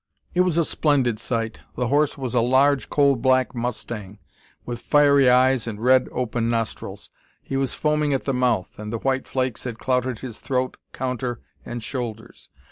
It was a splendid sight. The horse was a large, coal black mustang, with fiery eyes and red, open nostrils. He was foaming at the mouth, and the white flakes had clouted his throat, counter, and shoulders.